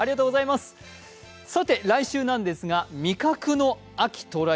さて来週ですが、味覚の秋到来！